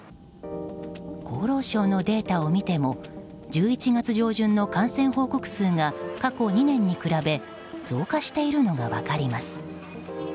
厚労省のデータを見ても１１月上旬の感染報告数が過去２年に比べ増加しているのが分かります。